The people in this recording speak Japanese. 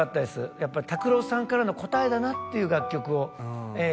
やっぱりＴＡＫＵＲＯさんからの答えだなっていう楽曲をええ